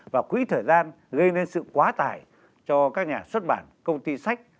và quỹ thời gian gây nên sự quá tải cho các nhà xuất bản công ty sách